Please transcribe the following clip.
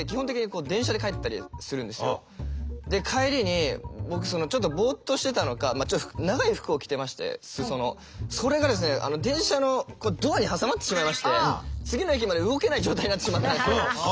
僕らで帰りに僕そのちょっとボッとしてたのか長い服を着てまして裾のそれがですね電車のドアに挟まってしまいまして次の駅まで動けない状態になってしまったんですよ。